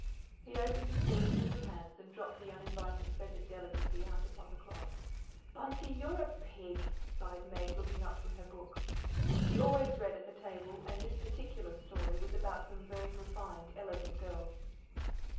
He opened his dirty little hands and dropped the uninviting feathered delicacy out upon the cloth. "Bunty, you're a pig," sighed Meg, looking up from her book. She always read at the table, and this particular story was about some very refined, elegant girls.